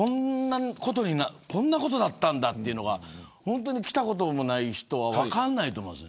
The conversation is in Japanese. こんなことだったんだというのが本当に来たこともない人は分からないと思います。